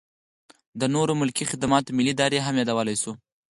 د نورو ملکي خدماتو ملي ادارې هم یادولی شو.